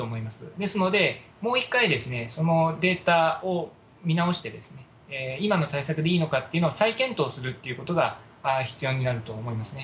ですので、もう一回、そのでーたをみなおして今の対策でいいのかっていうのを再検討するっていうことが必要になると思いますね。